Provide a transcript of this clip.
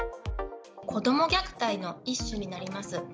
子ども虐待の一種になります。